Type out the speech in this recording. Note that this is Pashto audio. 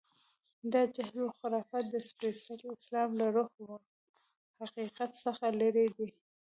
دا جهل و خرافات د سپېڅلي اسلام له روح و حقیقت څخه لرې دي.